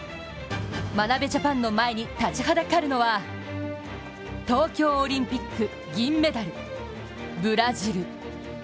眞鍋ジャパンの前に立ちはだかるのは東京オリンピック銀メダル、ブラジル。